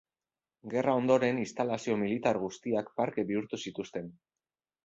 Gerra ondoren instalazio militar guztiak parke bihurtu zituzten.